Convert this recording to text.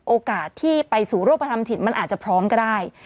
โอกาสที่ไปสู่รูปธรรมถิ่นมันอาจจะพร้อมก็ได้